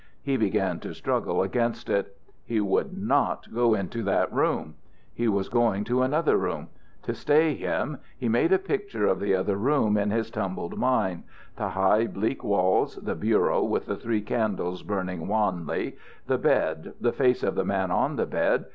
He began to struggle against it. He would not go into that room. He was going to another room. To stay him, he made a picture of the other room in his tumbled mind the high, bleak walls, the bureau with the three candles burning wanly, the bed, the face of the man on the bed.